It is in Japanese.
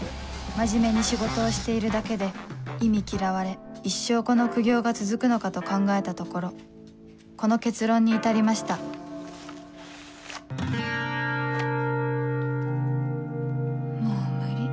真面目に仕事をしているだけで忌み嫌われ一生この苦行が続くのかと考えたところこの結論に至りましたもう無理。